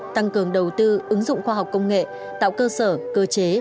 tăng cường đầu tư ứng dụng khoa học công nghệ tạo cơ sở cơ chế